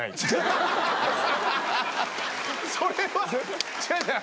それは違う違う。